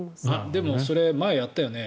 でも、それ前にやったよね。